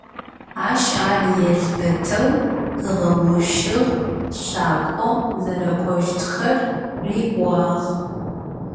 Ащ ар елбэтэу къыгъэущыгъ, шакӏо зэрэкӏощтхэр риӏуагъ.